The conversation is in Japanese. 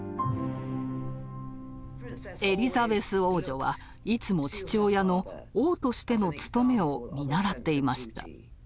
エリザベス王女はいつも父親の王としての務めを見習っていました。